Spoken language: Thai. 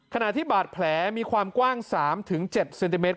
ขณะที่บาดแผลมีความกว้าง๓๗เซนติเมตร